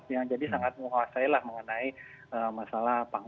yang jadi sangat menguasailah mengenai masalah pangan